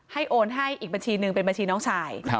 โอนให้อีกบัญชีหนึ่งเป็นบัญชีน้องชาย